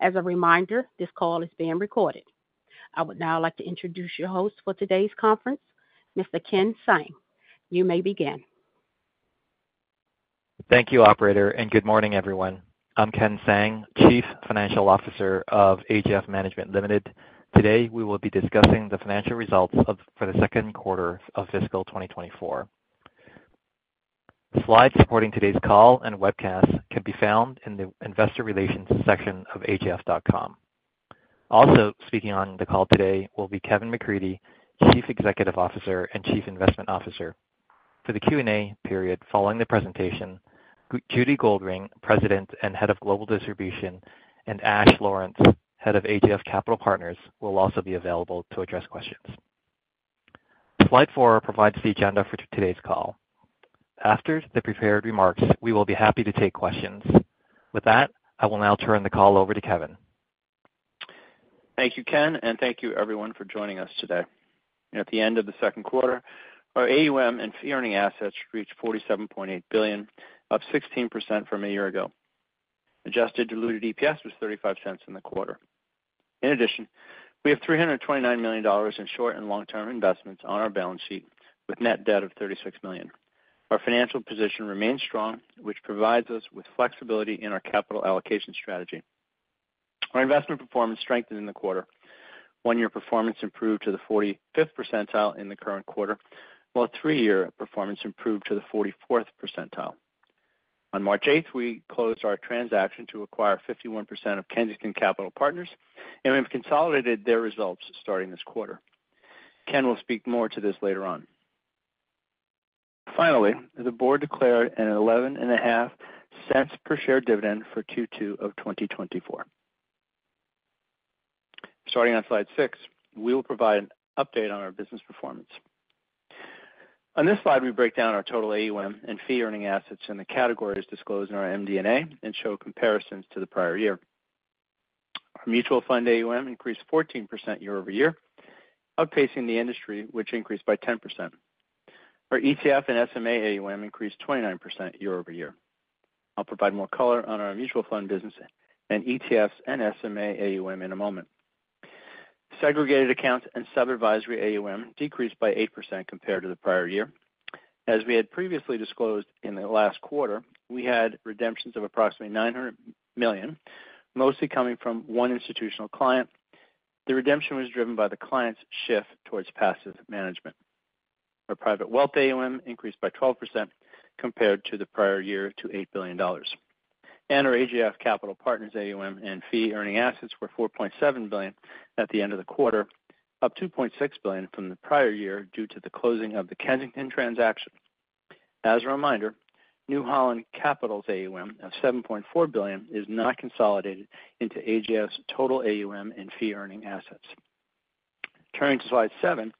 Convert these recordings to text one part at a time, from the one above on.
As a reminder, this call is being recorded. I would now like to introduce your host for today's conference, Mr. Ken Tsang. You may begin. Thank you, operator, and good morning, everyone. I'm Ken Tsang, Chief Financial Officer of AGF Management Limited. Today, we will be discussing the financial results of for the second quarter of fiscal 2024. Slides supporting today's call and webcast can be found in the Investor Relations section of agf.com. Also speaking on the call today will be Kevin McCreadie, Chief Executive Officer and Chief Investment Officer. For the Q&A period following the presentation, Judy Goldring, President and Head of Global Distribution, and Ash Lawrence, Head of AGF Capital Partners, will also be available to address questions. Slide four provides the agenda for today's call. After the prepared remarks, we will be happy to take questions. With that, I will now turn the call over to Kevin. Thank you, Ken, and thank you everyone for joining us today. At the end of the second quarter, our AUM and fee earning assets reached 47.8 billion, up 16% from a year ago. Adjusted diluted EPS was 0.35 in the quarter. In addition, we have 329 million dollars in short and long-term investments on our balance sheet, with net debt of 36 million. Our financial position remains strong, which provides us with flexibility in our capital allocation strategy. Our investment performance strengthened in the quarter. One-year performance improved to the 45th percentile in the current quarter, while three-year performance improved to the 44th percentile. On March eighth, we closed our transaction to acquire 51% of Kensington Capital Partners, and we've consolidated their results starting this quarter. Ken will speak more to this later on. Finally, the board declared 0.115 per share dividend for Q2 2024. Starting on slide six, we will provide an update on our business performance. On this slide, we break down our total AUM and fee-earning assets in the categories disclosed in our MD&A, and show comparisons to the prior year. Our mutual fund AUM increased 14% year-over-year, outpacing the industry, which increased by 10%. Our ETF and SMA AUM increased 29% year-over-year. I'll provide more color on our mutual fund business and ETFs and SMA AUM in a moment. Segregated accounts and sub-advisory AUM decreased by 8% compared to the prior year. As we had previously disclosed in the last quarter, we had redemptions of approximately 900 million, mostly coming from one institutional client. The redemption was driven by the client's shift towards passive management. Our private wealth AUM increased by 12% compared to the prior year to 8 billion dollars. Our AGF Capital Partners AUM and fee-earning assets were 4.7 billion at the end of the quarter, up 2.6 billion from the prior year due to the closing of the Kensington transaction. As a reminder, New Holland Capital's AUM of 7.4 billion is not consolidated into AGF's total AUM and fee-earning assets. Turning to slide seven,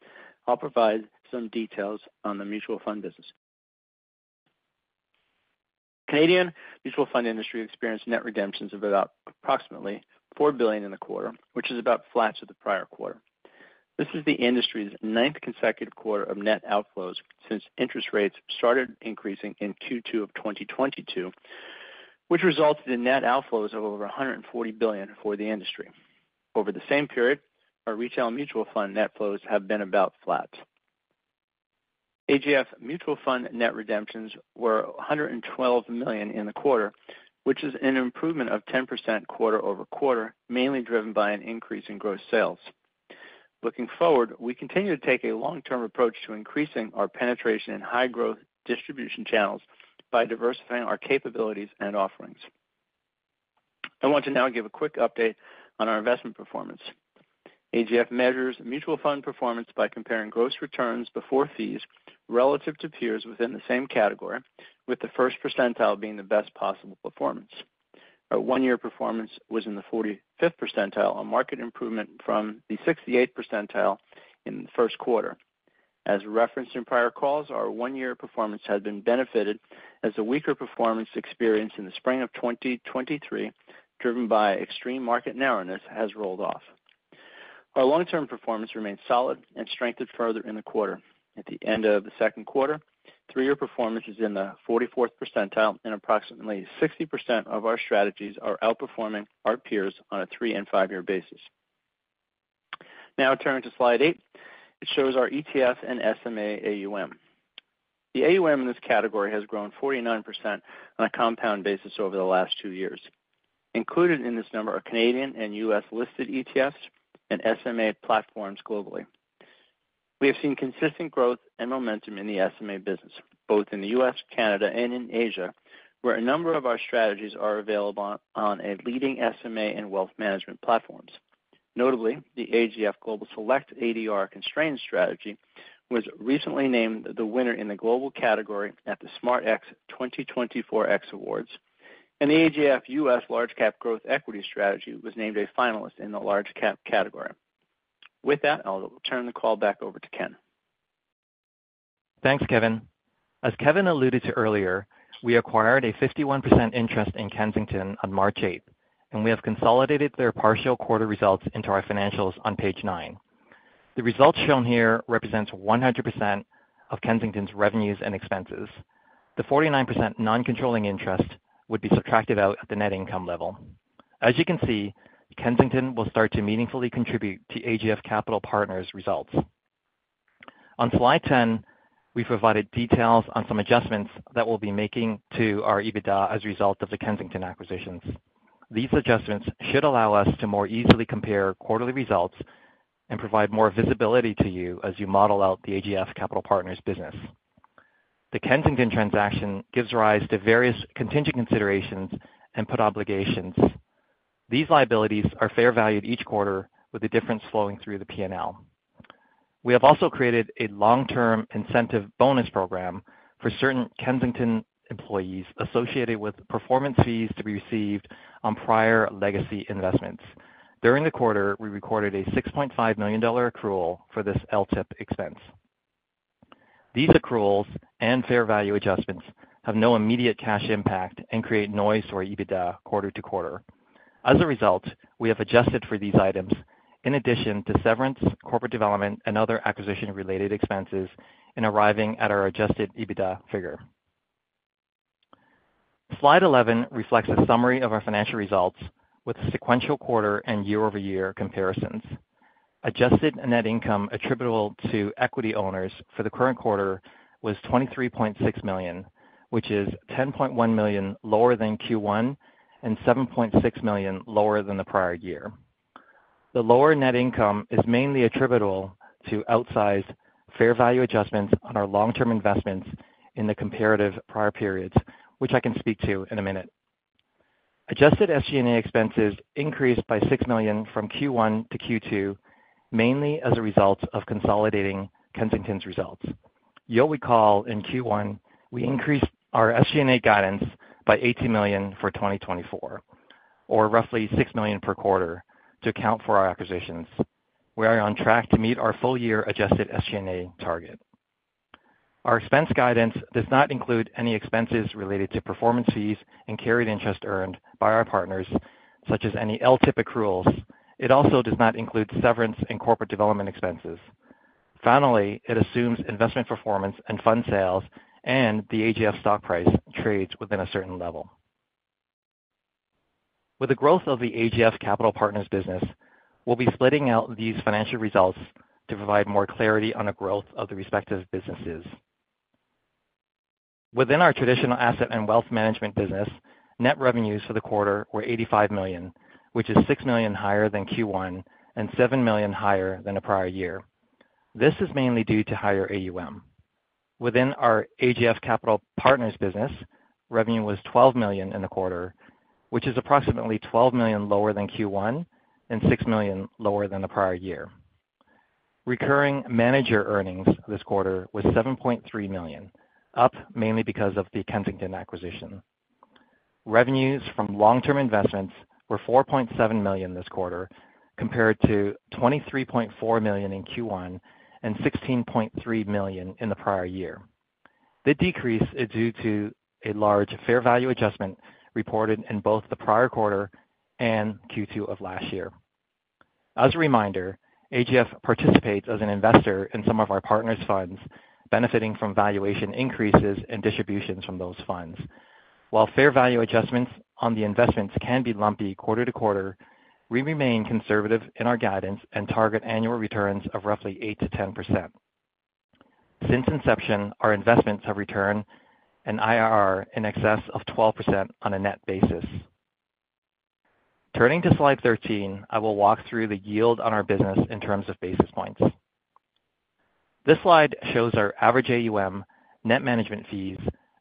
I'll provide some details on the mutual fund business. Canadian mutual fund industry experienced net redemptions of about approximately 4 billion in the quarter, which is about flat to the prior quarter. This is the industry's ninth consecutive quarter of net outflows since interest rates started increasing in Q2 of 2022, which resulted in net outflows of over 140 billion for the industry. Over the same period, our retail mutual fund net flows have been about flat. AGF Mutual Fund net redemptions were 112 million in the quarter, which is an improvement of 10% quarter-over-quarter, mainly driven by an increase in gross sales. Looking forward, we continue to take a long-term approach to increasing our penetration in high-growth distribution channels by diversifying our capabilities and offerings. I want to now give a quick update on our investment performance. AGF measures mutual fund performance by comparing gross returns before fees relative to peers within the same category, with the first percentile being the best possible performance. Our one-year performance was in the 45th percentile, a marked improvement from the 68th percentile in the first quarter. As referenced in prior calls, our one-year performance has been benefited as the weaker performance experienced in the spring of 2023, driven by extreme market narrowness, has rolled off. Our long-term performance remains solid and strengthened further in the quarter. At the end of the second quarter, three-year performance is in the 44th percentile, and approximately 60% of our strategies are outperforming our peers on a three- and five-year basis. Now turning to slide eight, it shows our ETF and SMA AUM. The AUM in this category has grown 49% on a compound basis over the last two years. Included in this number are Canadian and U.S.-listed ETFs and SMA platforms globally. We have seen consistent growth and momentum in the SMA business, both in the U.S., Canada, and in Asia, where a number of our strategies are available on a leading SMA and wealth management platforms. Notably, the AGF Global Select ADR Constrained Strategy was recently named the winner in the Global category at the SmartX 2024 X Awards, and the AGF U.S. Large Cap Growth Equity Strategy was named a finalist in the Large Cap category. With that, I'll turn the call back over to Ken. Thanks, Kevin. As Kevin alluded to earlier, we acquired a 51% interest in Kensington on March 8th, and we have consolidated their partial quarter results into our financials on page nine. The results shown here represents 100% of Kensington's revenues and expenses. The 49% non-controlling interest would be subtracted out at the net income level. As you can see, Kensington will start to meaningfully contribute to AGF Capital Partners' results. On slide 10, we've provided details on some adjustments that we'll be making to our EBITDA as a result of the Kensington acquisitions. These adjustments should allow us to more easily compare quarterly results and provide more visibility to you as you model out the AGF Capital Partners business. The Kensington transaction gives rise to various contingent considerations and put obligations. These liabilities are fair valued each quarter, with the difference flowing through the P&L. We have also created a long-term incentive bonus program for certain Kensington employees associated with performance fees to be received on prior legacy investments. During the quarter, we recorded a 6.5 million dollar accrual for this LTIP expense. These accruals and fair value adjustments have no immediate cash impact and create noise for our EBITDA quarter to quarter. As a result, we have adjusted for these items in addition to severance, corporate development, and other acquisition-related expenses in arriving at our adjusted EBITDA figure. Slide 11 reflects a summary of our financial results with sequential quarter and year-over-year comparisons. Adjusted net income attributable to equity owners for the current quarter was 23.6 million, which is 10.1 million lower than Q1 and 7.6 million lower than the prior year. The lower net income is mainly attributable to outsized fair value adjustments on our long-term investments in the comparative prior periods, which I can speak to in a minute. Adjusted SG&A expenses increased by 6 million from Q1 to Q2, mainly as a result of consolidating Kensington's results. You'll recall, in Q1, we increased our SG&A guidance by 18 million for 2024, or roughly 6 million per quarter, to account for our acquisitions. We are on track to meet our full-year adjusted SG&A target. Our expense guidance does not include any expenses related to performance fees and carried interest earned by our partners, such as any LTIP accruals. It also does not include severance and corporate development expenses. Finally, it assumes investment performance and fund sales, and the AGF stock price trades within a certain level. With the growth of the AGF Capital Partners business, we'll be splitting out these financial results to provide more clarity on the growth of the respective businesses. Within our traditional asset and wealth management business, net revenues for the quarter were 85 million, which is 6 million higher than Q1 and 7 million higher than the prior year. This is mainly due to higher AUM. Within our AGF Capital Partners business, revenue was CAD 12 million in the quarter, which is approximately CAD 12 million lower than Q1 and CAD 6 million lower than the prior year. Recurring manager earnings this quarter was CAD 7.3 million, up mainly because of the Kensington acquisition. Revenues from long-term investments were 4.7 million this quarter, compared to 23.4 million in Q1 and 16.3 million in the prior year. The decrease is due to a large fair value adjustment reported in both the prior quarter and Q2 of last year. As a reminder, AGF participates as an investor in some of our partners' funds, benefiting from valuation increases and distributions from those funds. While fair value adjustments on the investments can be lumpy quarter to quarter, we remain conservative in our guidance and target annual returns of roughly 8%-10%. Since inception, our investments have returned an IRR in excess of 12% on a net basis. Turning to slide 13, I will walk through the yield on our business in terms of basis points. This slide shows our average AUM, net management fees,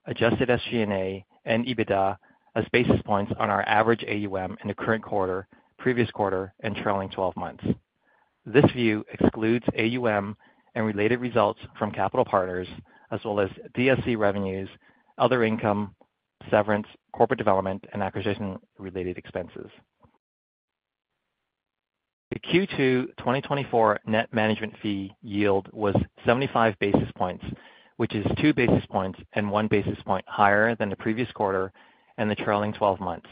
adjusted SG&A, and EBITDA as basis points on our average AUM in the current quarter, previous quarter, and trailing 12 months. This view excludes AUM and related results from Capital Partners, as well as DSC revenues, other income, severance, corporate development, and acquisition-related expenses. The Q2 2024 net management fee yield was 75 basis points, which is two basis points and one basis point higher than the previous quarter and the trailing 12 months.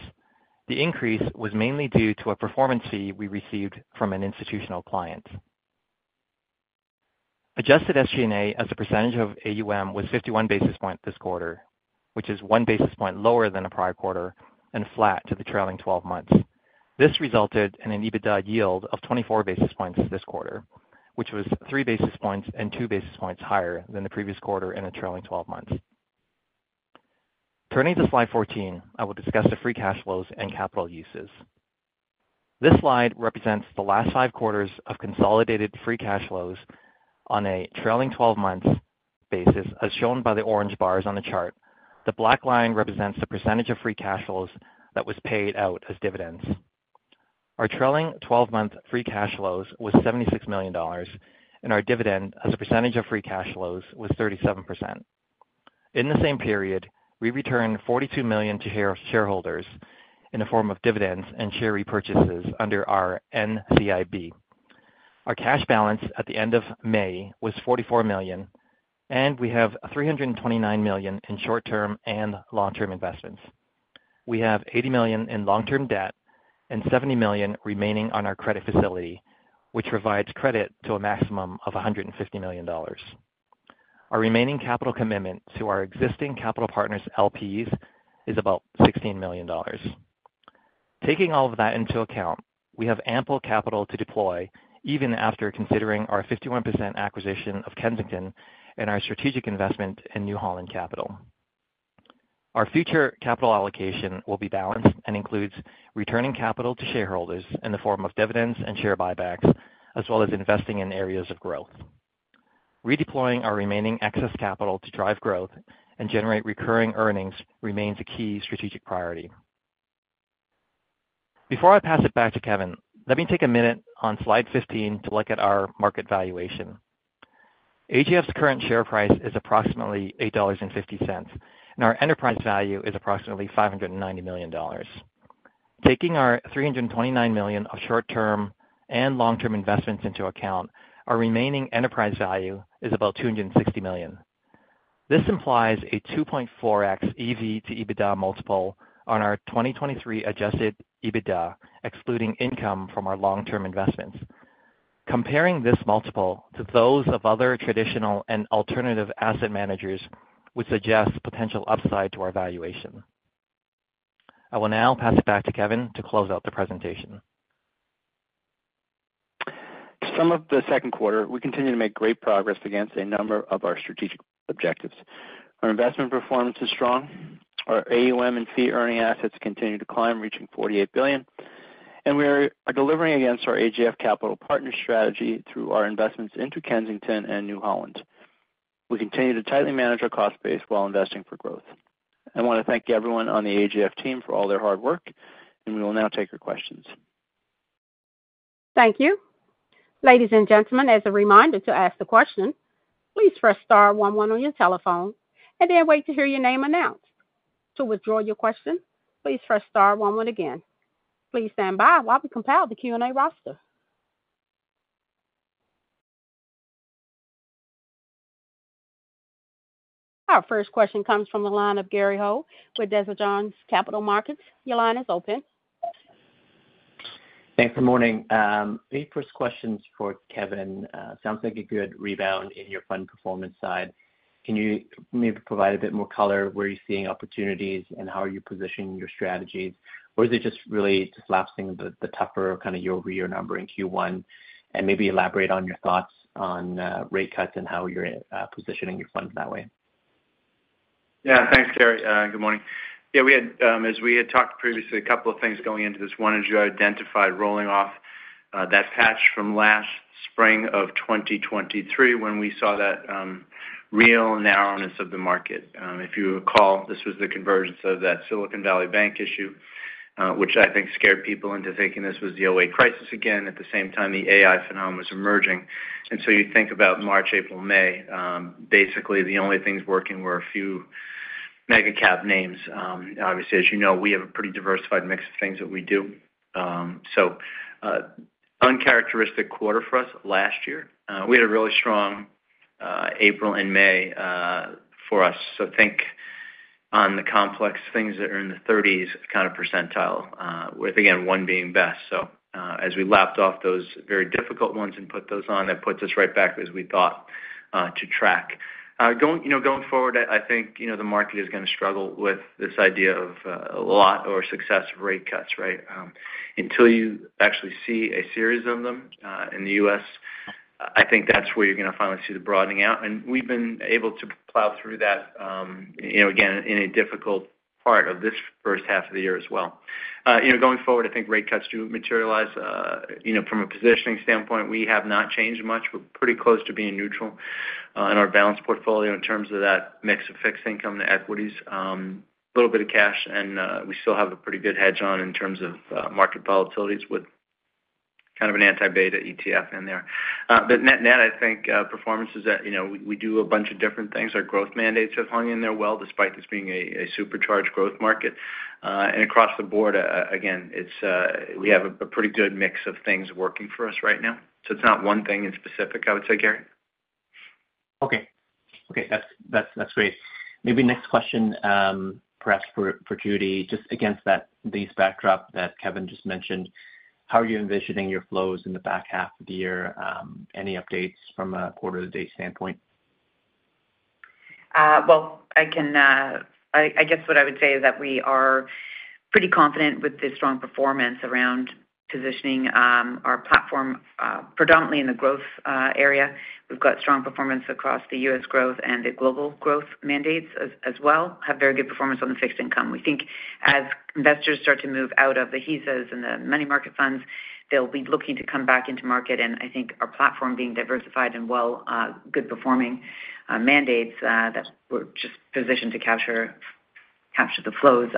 The increase was mainly due to a performance fee we received from an institutional client. Adjusted SG&A as a percentage of AUM was 51 basis points this quarter, which is one basis point lower than the prior quarter and flat to the trailing 12 months. This resulted in an EBITDA yield of 24 basis points this quarter, which was three basis points and two basis points higher than the previous quarter in the trailing 12 months. Turning to slide 14, I will discuss the free cash flows and capital uses. This slide represents the last five quarters of consolidated free cash flows on a trailing 12-months basis, as shown by the orange bars on the chart. The black line represents the percentage of free cash flows that was paid out as dividends. Our trailing 12-month free cash flows was 76 million dollars, and our dividend as a percentage of free cash flows was 37%. In the same period, we returned 42 million to shareholders in the form of dividends and share repurchases under our NCIB. Our cash balance at the end of May was 44 million, and we have 329 million in short-term and long-term investments. We have 80 million in long-term debt and 70 million remaining on our credit facility, which provides credit to a maximum of CAD 150 million. Our remaining capital commitment to our existing capital partners LPs is about 16 million dollars. Taking all of that into account, we have ample capital to deploy, even after considering our 51% acquisition of Kensington and our strategic investment in New Holland Capital. Our future capital allocation will be balanced and includes returning capital to shareholders in the form of dividends and share buybacks, as well as investing in areas of growth. Redeploying our remaining excess capital to drive growth and generate recurring earnings remains a key strategic priority. Before I pass it back to Kevin, let me take a minute on slide 15 to look at our market valuation. AGF's current share price is approximately 8.50 dollars, and our enterprise value is approximately 590 million dollars. Taking our 329 million of short-term and long-term investments into account, our remaining enterprise value is about 260 million. This implies a 2.4x EV to EBITDA multiple on our 2023 adjusted EBITDA, excluding income from our long-term investments. Comparing this multiple to those of other traditional and alternative asset managers would suggest potential upside to our valuation. I will now pass it back to Kevin to close out the presentation. To sum up the second quarter, we continue to make great progress against a number of our strategic objectives. Our investment performance is strong. Our AUM and fee-earning assets continue to climb, reaching CAD 48 billion, and we are delivering against our AGF Capital Partners strategy through our investments into Kensington and New Holland. We continue to tightly manage our cost base while investing for growth. I want to thank everyone on the AGF team for all their hard work, and we will now take your questions. Thank you. Ladies and gentlemen, as a reminder to ask the question, please press star one one on your telephone and then wait to hear your name announced. To withdraw your question, please press star one one again. Please stand by while we compile the Q&A roster. Our first question comes from the line of Gary Ho with Desjardins Capital Markets. Your line is open. Thanks. Good morning. The first question's for Kevin. Sounds like a good rebound in your fund performance side. Can you maybe provide a bit more color where you're seeing opportunities and how are you positioning your strategies? Or is it just really lapsing the tougher kind of year-over-year number in Q1, and maybe elaborate on your thoughts on rate cuts and how you're positioning your funds that way? Yeah. Thanks, Gary. Good morning. Yeah, we had, as we had talked previously, a couple of things going into this. One, as you identified, rolling off, that patch from last spring of 2023, when we saw that, real narrowness of the market. If you recall, this was the convergence of that Silicon Valley Bank issue, which I think scared people into thinking this was the 2008 crisis again. At the same time, the AI phenomenon was emerging. And so you think about March, April, May, basically, the only things working were a few mega cap names. Obviously, as you know, we have a pretty diversified mix of things that we do. So, uncharacteristic quarter for us last year. We had a really strong, April and May, for us. So think on the complex things that are in the thirties kind of percentile, with, again, one being best. So, as we lapped off those very difficult ones and put those on, that puts us right back as we thought, to track. Going forward, I think the market is gonna struggle with this idea of, a lot or success of rate cuts, right? Until you actually see a series of them, in the U.S., I think that's where you're gonna finally see the broadening out. And we've been able to plow through that, you know, again, in a difficult part of this first half of the year as well. You know, going forward, I think rate cuts do materialize. From a positioning standpoint, we have not changed much. We're pretty close to being neutral in our balanced portfolio in terms of that mix of fixed income to equities. A little bit of cash, and we still have a pretty good hedge on in terms of market volatilities with kind of an anti-beta ETF in there. But net, I think performance is at, we do a bunch of different things. Our growth mandates have hung in there well, despite this being a supercharged growth market. And across the board, again, it's we have a pretty good mix of things working for us right now. So it's not one thing in specific, I would say, Gary. Okay. Okay, that's great. Maybe next question, perhaps for Judy, just against this backdrop that Kevin just mentioned, how are you envisioning your flows in the back half of the year? Any updates from a quarter-to-date standpoint? Well, I guess what I would say is that we are pretty confident with the strong performance around positioning our platform predominantly in the growth area. We've got strong performance across the U.S. growth and the global growth mandates as well. Have very good performance on the fixed income. We think as investors start to move out of the HISAs and the money market funds, they'll be looking to come back into market, and I think our platform being diversified and well good performing mandates that we're just positioned to capture the flows.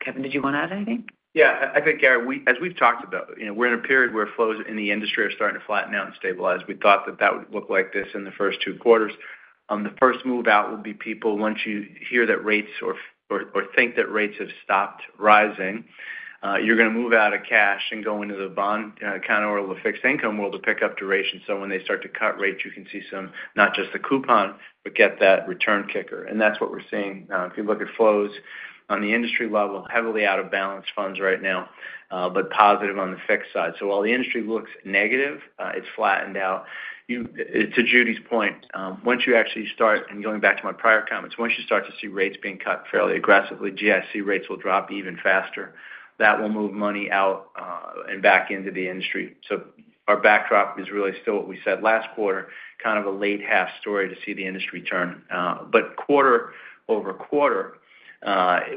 Kevin, did you want to add anything? Yeah, I think, Gary, as we've talked about, we're in a period where flows in the industry are starting to flatten out and stabilize. We thought that that would look like this in the first two quarters. The first move out would be people, once you hear that rates or think that rates have stopped rising. You're gonna move out of cash and go into the bond corner with a fixed income world to pick up duration. So when they start to cut rates, you can see some, not just the coupon, but get that return kicker. And that's what we're seeing. If you look at flows on the industry level, heavily out of balanced funds right now, but positive on the fixed side. So while the industry looks negative, it's flattened out. To Judy's point, once you actually start, and going back to my prior comments, once you start to see rates being cut fairly aggressively, GIC rates will drop even faster. That will move money out, and back into the industry. So our backdrop is really still what we said last quarter, kind of a late half story to see the industry turn. But quarter-over-quarter,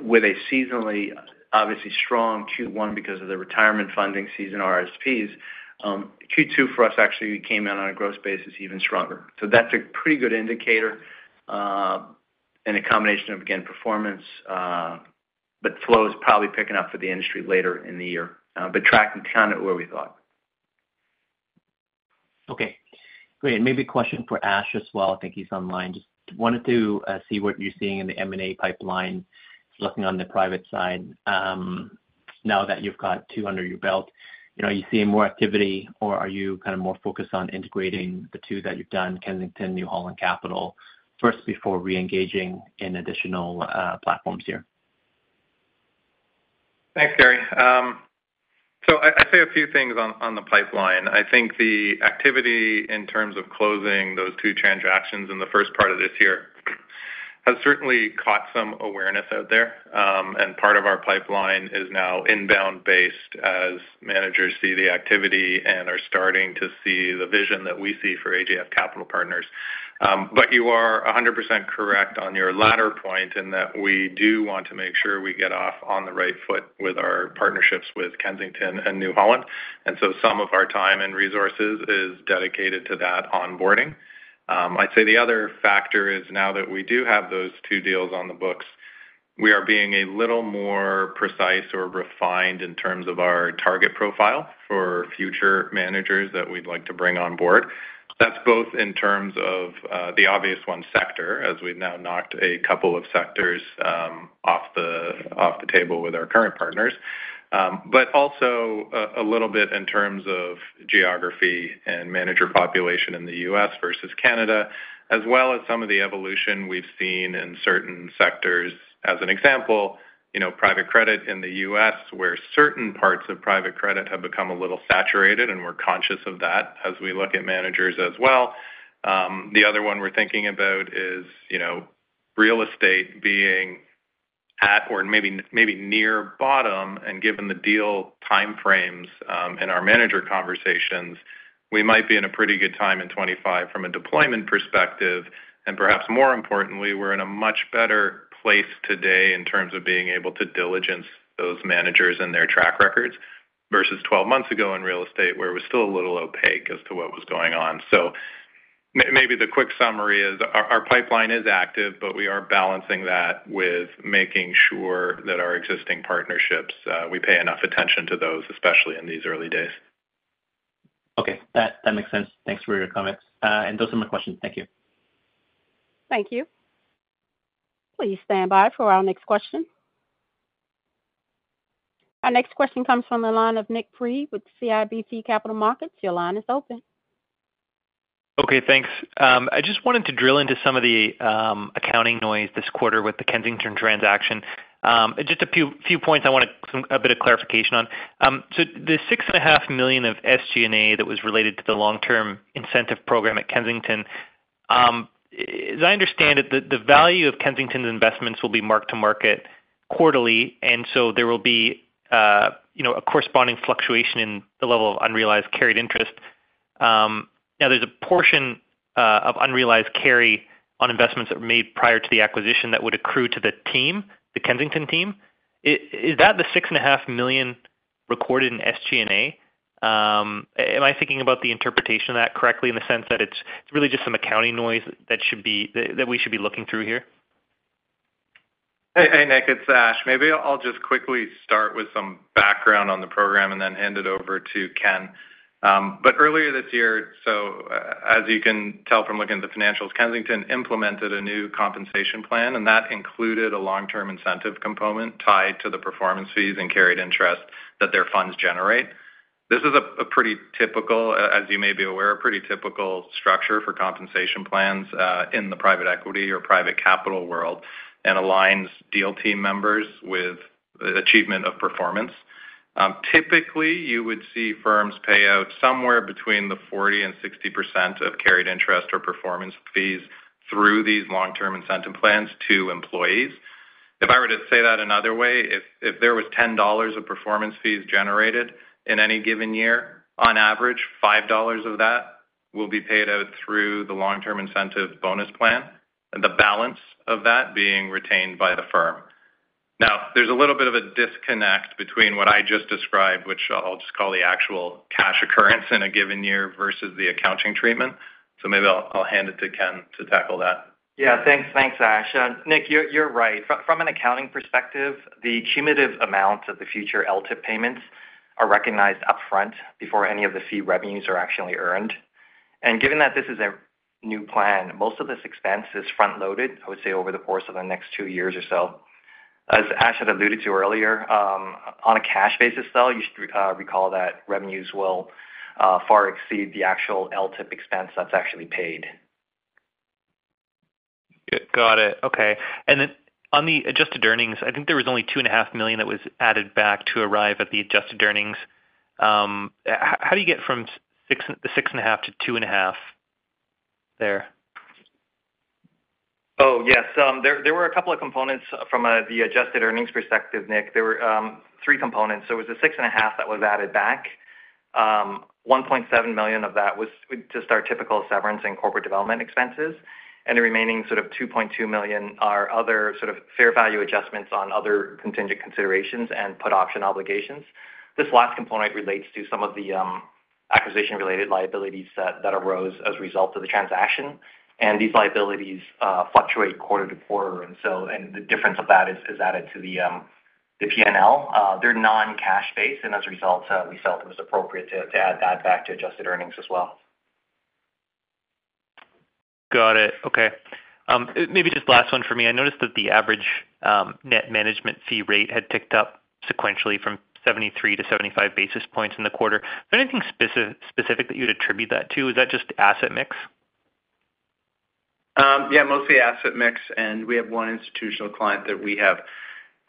with a seasonally, obviously strong Q1 because of the retirement funding season, RSPs, Q2 for us actually came in on a gross basis, even stronger. So that's a pretty good indicator, and a combination of, again, performance, but flow is probably picking up for the industry later in the year, but tracking kind of where we thought. Okay, great. And maybe a question for Ash as well. I think he's online. Just wanted to see what you're seeing in the M&A pipeline, looking on the private side, now that you've got two under your belt. Are you seeing more activity, or are you kind of more focused on integrating the two that you've done, Kensington, New Holland Capital, first, before reengaging in additional platforms here? Thanks, Gary. So I'd say a few things on the pipeline. I think the activity in terms of closing those two transactions in the first part of this year has certainly caught some awareness out there. And part of our pipeline is now inbound based, as managers see the activity and are starting to see the vision that we see for AGF Capital Partners. But you are 100% correct on your latter point, in that we do want to make sure we get off on the right foot with our partnerships with Kensington and New Holland, and so some of our time and resources is dedicated to that onboarding. I'd say the other factor is now that we do have those two deals on the books, we are being a little more precise or refined in terms of our target profile for future managers that we'd like to bring on board. That's both in terms of the obvious one, sector, as we've now knocked a couple of sectors off the table with our current partners. But also a little bit in terms of geography and manager population in the U.S. versus Canada, as well as some of the evolution we've seen in certain sectors. As an example, private credit in the U.S., where certain parts of private credit have become a little saturated, and we're conscious of that as we look at managers as well. The other one we're thinking about is real estate being at or maybe, maybe near bottom, and given the deal time frames, and our manager conversations, we might be in a pretty good time in 2025 from a deployment perspective. And perhaps more importantly, we're in a much better place today in terms of being able to diligence those managers and their track records versus 12 months ago in real estate, where it was still a little opaque as to what was going on. So maybe the quick summary is our pipeline is active, but we are balancing that with making sure that our existing partnerships, we pay enough attention to those, especially in these early days. Okay, that makes sense. Thanks for your comments. Those are my questions. Thank you. Thank you. Please stand by for our next question. Our next question comes from the line of Nik Priebe with CIBC Capital Markets. Your line is open. Okay, thanks. I just wanted to drill into some of the accounting noise this quarter with the Kensington transaction. Just a few points I wanted a bit of clarification on. So the 6.5 million of SG&A that was related to the long-term incentive program at Kensington, as I understand it, the value of Kensington's investments will be marked to market quarterly, and so there will be a corresponding fluctuation in the level of unrealized carried interest. Now, there's a portion of unrealized carry on investments that were made prior to the acquisition that would accrue to the team, the Kensington team. Is that the 6.5 million recorded in SG&A? Am I thinking about the interpretation of that correctly, in the sense that it's really just some accounting noise that we should be looking through here? Hey, hey, Nik, it's Ash. Maybe I'll just quickly start with some background on the program and then hand it over to Ken. But earlier this year, so as you can tell from looking at the financials, Kensington implemented a new compensation plan, and that included a long-term incentive component tied to the performance fees and carried interest that their funds generate. This is a pretty typical, as you may be aware, a pretty typical structure for compensation plans in the private equity or private capital world and aligns deal team members with achievement of performance. Typically, you would see firms pay out somewhere between the 40%-60% of carried interest or performance fees through these long-term incentive plans to employees. If I were to say that another way, if there was 10 dollars of performance fees generated in any given year, on average, 5 dollars of that will be paid out through the long-term incentive bonus plan, and the balance of that being retained by the firm. Now, there's a little bit of a disconnect between what I just described, which I'll just call the actual cash occurrence in a given year versus the accounting treatment. So maybe I'll hand it to Ken to tackle that. Yeah, thanks. Thanks, Ash. Nick, you're right. From an accounting perspective, the cumulative amount of the future LTIP payments are recognized upfront before any of the fee revenues are actually earned. And given that this is a new plan, most of this expense is front-loaded, over the course of the next two years or so. As Ash had alluded to earlier, on a cash basis, though, you should recall that revenues will far exceed the actual LTIP expense that's actually paid. Got it. Okay. Then on the adjusted earnings, I think there was only 2.5 million that was added back to arrive at the adjusted earnings. How do you get from the 6.5 million to 2.5 million there? Oh, yes. There were a couple of components from the adjusted earnings perspective, Nik. There were three components. So it was 6.5 million that was added back. 1.7 million of that was just our typical severance and corporate development expenses, and the remaining sort of 2.2 million are other sort of fair value adjustments on other contingent considerations and put option obligations. This last component relates to some of the acquisition-related liabilities that arose as a result of the transaction. And these liabilities fluctuate quarter to quarter, and so and the difference of that is added to the PNL. They're non-cash based, and as a result, we felt it was appropriate to add that back to adjusted earnings as well. Got it. Okay. Maybe just last one for me. I noticed that the average net management fee rate had ticked up sequentially from 73 to 75 basis points in the quarter. Is there anything spec-specific that you'd attribute that to? Is that just asset mix? Yeah, mostly asset mix, and we have one institutional client that we have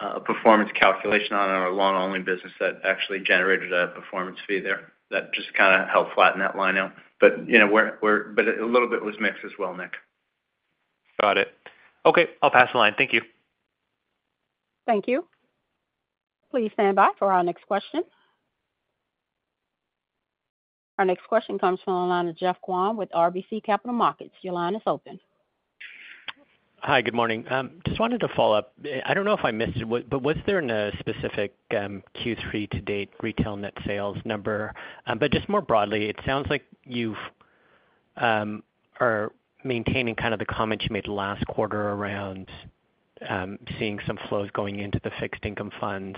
a performance calculation on our long-only business that actually generated a performance fee there, that just kind of helped flatten that line out. But, you know, we're but a little bit was mixed as well, Nik. Got it. Okay, I'll pass the line. Thank you. Thank you. Please stand by for our next question. Our next question comes from the line of Jeff Pond with RBC Capital Markets. Your line is open. Hi, good morning. Just wanted to follow up. I don't know if I missed it, but was there no specific Q3 to date retail net sales number? But just more broadly, it sounds like you are maintaining kind of the comments you made last quarter around seeing some flows going into the fixed income funds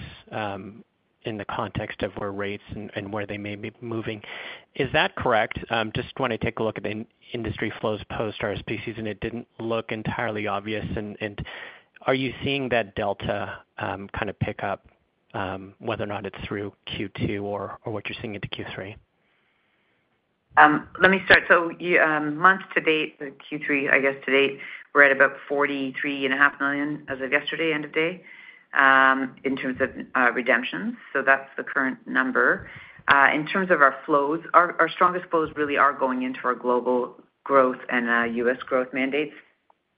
in the context of where rates and where they may be moving. Is that correct? Just want to take a look at the industry flows post-RSPs, and it didn't look entirely obvious. And are you seeing that delta kind of pick up whether or not it's through Q2 or what you're seeing into Q3? Let me start. So month to date, Q3, I guess to date, we're at about 43.5 million as of yesterday, end of day, in terms of redemptions. So that's the current number. In terms of our flows, our strongest flows really are going into our global growth and U.S. growth mandates.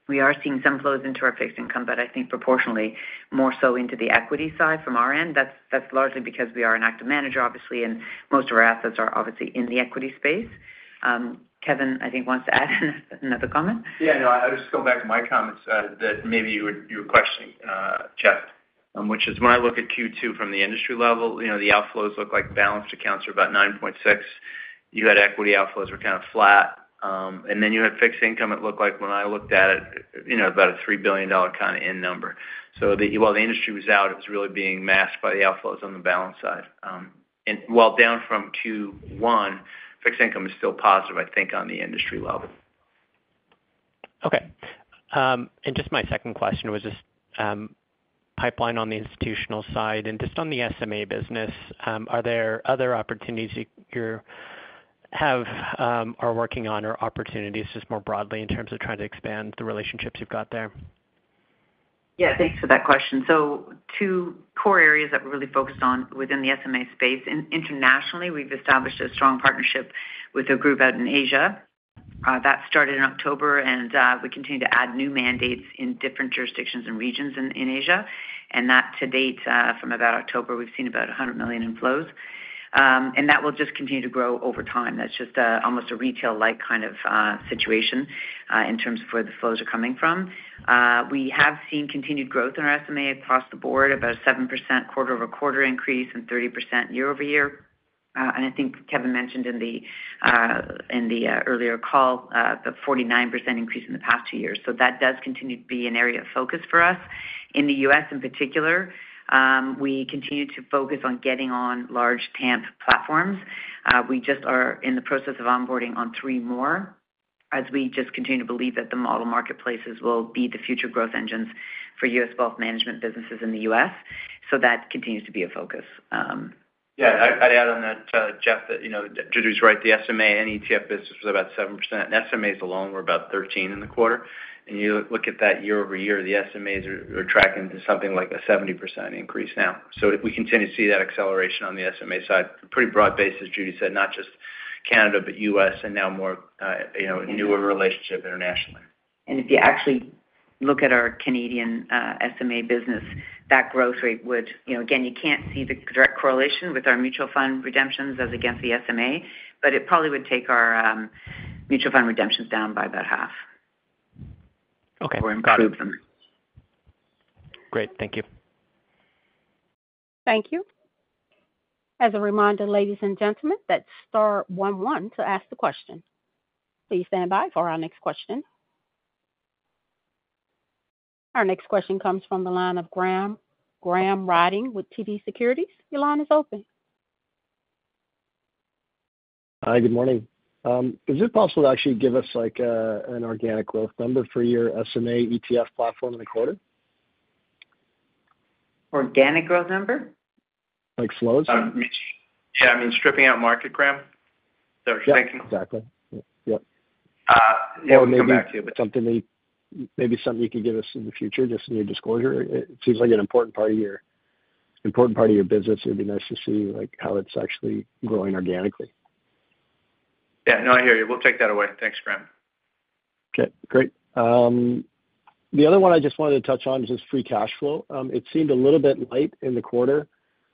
We are seeing some flows into our fixed income, but I think proportionally, more so into the equity side from our end. That's largely because we are an active manager, obviously, and most of our assets are obviously in the equity space. Kevin, I think, wants to add another comment. Yeah, no, I'll just go back to my comments that maybe you were questioning, Jeff, which is when I look at Q2 from the industry level, the outflows look like balanced accounts are about 9.6. You had equity outflows were kind of flat. And then you had fixed income, it looked like when I looked at it, about a 3 billion dollar kind of end number. So while the industry was out, it was really being masked by the outflows on the balance side. And while down from 2Q1, fixed income is still positive, I think, on the industry level. Okay. And just my second question was just pipeline on the institutional side and just on the SMA business, are there other opportunities you're working on or opportunities just more broadly in terms of trying to expand the relationships you've got there? Yeah, thanks for that question. So two core areas that we're really focused on within the SMA space, and internationally, we've established a strong partnership with a group out in Asia. That started in October, and we continue to add new mandates in different jurisdictions and regions in Asia. And that to date, from about October, we've seen about 100 million in flows. And that will just continue to grow over time. That's just almost a retail-like kind of situation in terms of where the flows are coming from. We have seen continued growth in our SMA across the board, about a 7% quarter-over-quarter increase and 30% year-over-year. And I think Kevin mentioned in the earlier call the 49% increase in the past two years. So that does continue to be an area of focus for us. In the U.S., in particular, we continue to focus on getting on large TAMP platforms. We just are in the process of onboarding on three more, as we just continue to believe that the model marketplaces will be the future growth engines for U.S. wealth management businesses in the U.S. So that continues to be a focus. Yeah, I'd add on that, Jeff, that Judy's right, the SMA and ETF business was about 7%, and SMAs alone were about 13% in the quarter. And you look at that year-over-year, the SMAs are tracking to something like a 70% increase now. So we continue to see that acceleration on the SMA side. Pretty broad-based, as Judy said, not just Canada, but U.S., and now more you know, a newer relationship internationally. If you actually look at our Canadian SMA business, that growth rate would, again, you can't see the direct correlation with our mutual fund redemptions as against the SMA, but it probably would take our mutual fund redemptions down by about half. Okay, got it. Or improve them. Great. Thank you. Thank you. As a reminder, ladies and gentlemen, that's star one one to ask the question. Please stand by for our next question. Our next question comes from the line of Graham Ryding with TD Securities. Your line is open. Hi, good morning. Is it possible to actually give us an organic growth number for your SMA ETF platform in the quarter? Organic growth number? Like flows. Yeah, I mean, stripping out market, Graham. Is that what you're thinking? Yeah, exactly. Yep. Yeah, we'll come back to you. Something that maybe something you could give us in the future, just in your disclosure. It seems like an important part of your business. It'd be nice to see how it's actually growing organically. Yeah. No, I hear you. We'll take that away. Thanks, Graham. Okay, great. The other one I just wanted to touch on is just free cash flow. It seemed a little bit light in the quarter.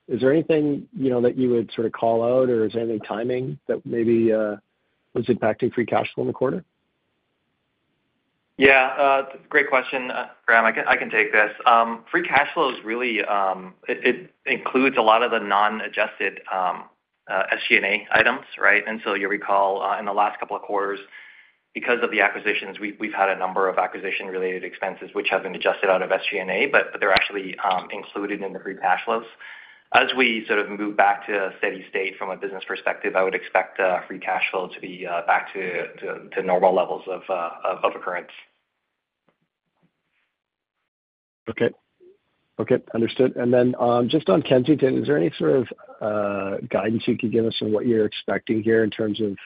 Is there anything that you would sort of call out, or is there any timing that maybe was impacting free cash flow in the quarter? Yeah, great question, Graham. I can take this. Free cash flow is really, it includes a lot of the non-adjusted SG&A items, right? And so you'll recall, in the last couple of quarters, because of the acquisitions, we've had a number of acquisition-related expenses which have been adjusted out of SG&A, but they're actually included in the free cash flows. As we sort of move back to a steady state from a business perspective, I would expect free cash flow to be back to normal levels of occurrence. Okay. Okay, understood. And then, just on Kensington, is there any sort of guidance you could give us on what you're expecting here in terms of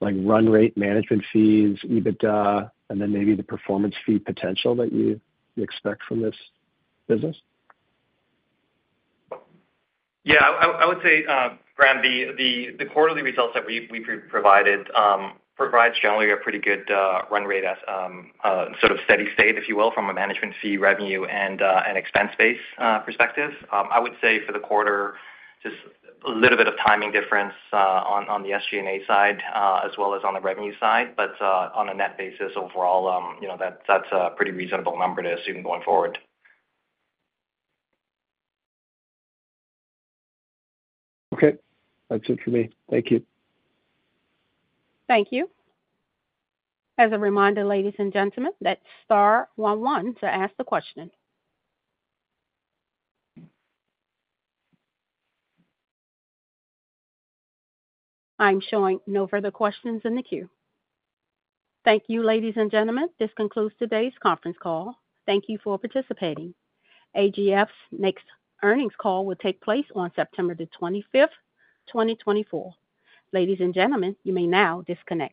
run rate, management fees, EBITDA, and then maybe the performance fee potential that you expect from this business? Yeah, I would say, Graham, the quarterly results that we've provided provides generally a pretty good run rate as sort of steady state, if you will, from a management fee revenue and expense base perspective. I would say for the quarter, just a little bit of timing difference on the SG&A side as well as on the revenue side, but on a net basis overall that's a pretty reasonable number to assume going forward. Okay. That's it for me. Thank you. Thank you. As a reminder, ladies and gentlemen, that's star one one to ask the question. I'm showing no further questions in the queue. Thank you, ladies and gentlemen. This concludes today's conference call. Thank you for participating. AGF's next earnings call will take place on September the 25th, 2024. Ladies and gentlemen, you may now disconnect.